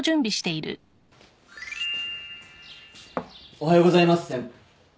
おはようございますせっ。